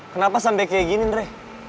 kenapa sampai kayak gini deh